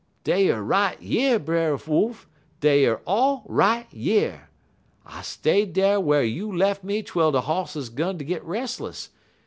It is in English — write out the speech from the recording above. "'Dey er all right yer, Brer Wolf; dey er all right yer. I stayed dar whar you lef' me twel de hosses gun ter git restless.